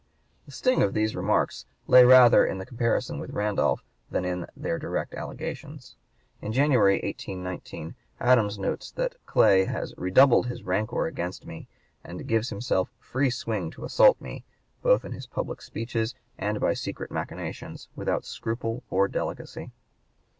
The sting of these remarks lay rather in the comparison with Randolph than in their direct allegations. In January, 1819, Adams notes that Clay has "redoubled his rancor against me," and gives himself "free swing to assault me ... both in his public speeches and by secret machinations, without scruple or delicacy."